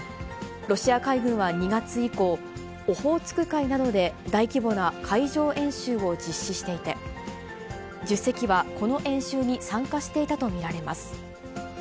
ロシア海軍は２月以降、オホーツク海などで大規模な海上演習を実施していて、１０隻はこの演習に参加していたと見られます。